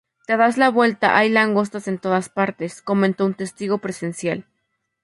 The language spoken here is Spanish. Te das la vuelta, hay langostas en todas partes", comentó un testigo presencial.